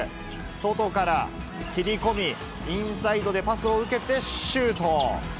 外から切り込み、インサイドでパスを受けてシュート。